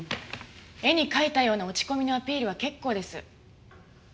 絵に描いたような落ち込みのアピールは結構です。